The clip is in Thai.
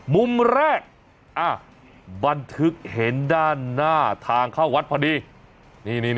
มุมแรกบันทึกเห็นด้านหน้าทางเข้าวัดพอดี